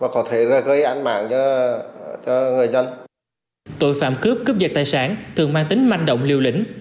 tội phạm cướp cướp giật tài sản thường mang tính manh động liều lĩnh